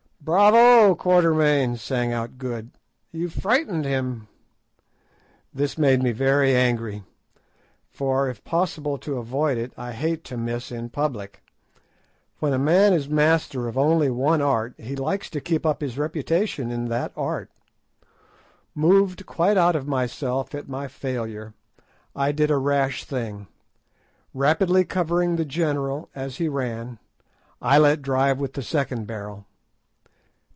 "Bravo, Quatermain!" sang out Good; "you've frightened him." This made me very angry, for, if possible to avoid it, I hate to miss in public. When a man is master of only one art he likes to keep up his reputation in that art. Moved quite out of myself at my failure, I did a rash thing. Rapidly covering the general as he ran, I let drive with the second barrel.